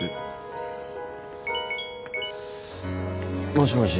もしもし。